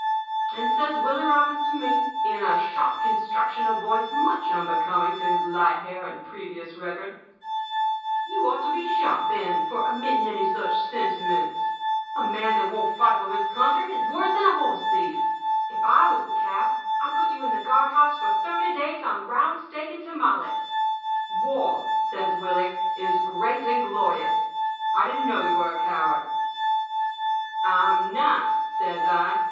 "And says Willie Robbins to me, in a sharp construction of voice much unbecoming to his light hair and previous record: "'You ought to be shot, Ben, for emitting any such sentiments. A man that won't fight for his country is worse than a horse thief. If I was the cap, I'd put you in the guard house for thirty days on round steak and tamales. War,' says Willie, 'is great and glorious. I didn't know you were a coward.' "'I'm not,' says I.